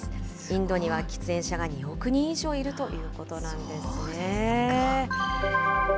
インドには喫煙者が２億人以上いるということなんですね。